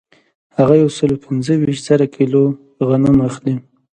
هغه یو سل پنځه ویشت زره کیلو غنم اخلي